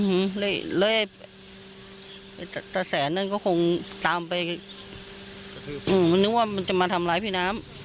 อืมเลยเลยไอ้ตาแสนนั่นก็คงตามไปอืมมันนึกว่ามันจะมาทำร้ายพี่น้ำ